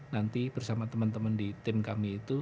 nanti bersama teman teman di tim kami itu